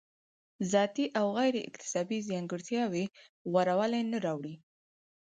ذاتي او غیر اکتسابي ځانګړتیاوې غوره والی نه راوړي.